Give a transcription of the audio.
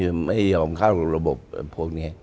ไม่ยอมเข้าระบบพวกนี้